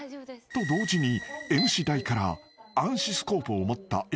［と同時にＭＣ台から暗視スコープを持った］